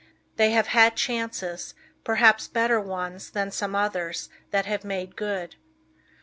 They have had chances, perhaps better ones than some others that have made good.